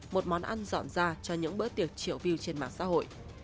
một món ăn dọn ra cho những bữa tiệc triệu view trên mạng xã hội